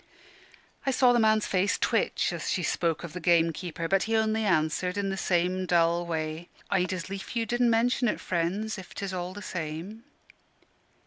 I saw the man's face twitch as she spoke of the gamekeeper. But he only answered in the same dull way. "I'd as lief you didn' mention it, friends, if 'tis all the same."